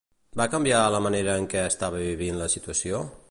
Va canviar la manera en què estava vivint la situació?